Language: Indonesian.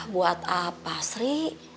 buat apa sri